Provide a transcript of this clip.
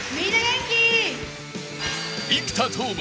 生田斗真